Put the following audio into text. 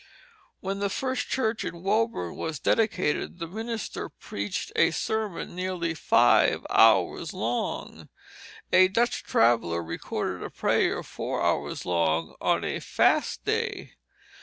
When the first church in Woburn was dedicated, the minister preached a sermon nearly five hours long. A Dutch traveller recorded a prayer four hours long on a Fast Day.